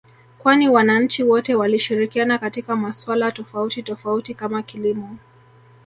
kwani wananchi wote walishirikiana katika masuala tofauti tofauti kama kilimo